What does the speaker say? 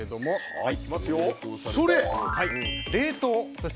はい。